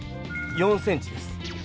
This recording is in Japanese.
４ｃｍです。